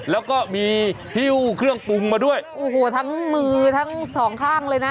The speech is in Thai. แล้วก็มีฮิ้วเครื่องปรุงมาด้วยโอ้โหทั้งมือทั้งสองข้างเลยนะ